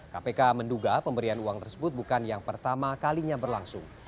kpk menduga pemberian uang tersebut bukan yang pertama kalinya berlangsung